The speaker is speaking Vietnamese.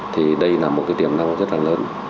thì đây là một tiềm năng rất là lớn